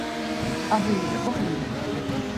Акӑ ӗнтӗ, пӑх ӗнтӗ.